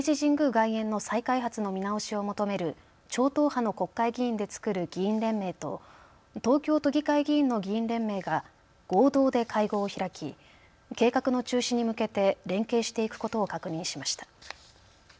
外苑の再開発の見直しを求める超党派の国会議員で作る議員連盟と東京都議会議員の議員連盟が合同で会合を開き計画の中止に向けて連携していくことを確認しました。